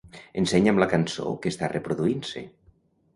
Ensenya'm la cançó que està reproduint-se.